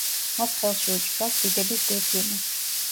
მას ხელში უჭირავს დიდების გვირგვინი.